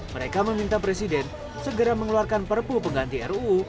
mereka meminta presiden segera mengeluarkan perpu pengganti ruu